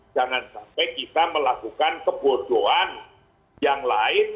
jangan sampai kita melakukan kebodohan yang lain